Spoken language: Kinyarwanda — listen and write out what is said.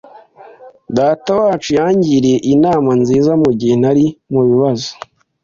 Datawacu yangiriye inama nziza mugihe nari mubibazo.